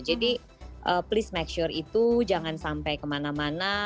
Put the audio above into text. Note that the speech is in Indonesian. jadi please make sure itu jangan sampai kemana mana